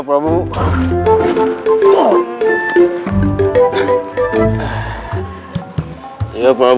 cepat mudah jangan lama